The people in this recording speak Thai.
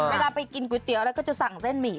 เวลาไปกินก๋วยเตี๋ยวแล้วก็จะสั่งเส้นหมี่